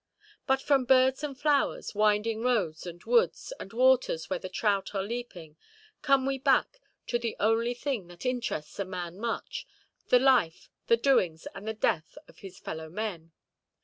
But from birds and flowers, winding roads and woods, and waters where the trout are leaping, come we back to the only thing that interests a man much—the life, the doings, and the death of his fellow–men.